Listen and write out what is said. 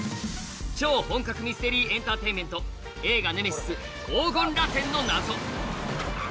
超本格ミステリーエンターテインメント『映画ネメシス黄金螺旋の謎』